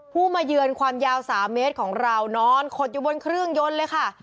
ผู้มาเยือนความยาว๓เมตรของเรานอนขดอยู่บนเครื่องยนต์เลยค่ะ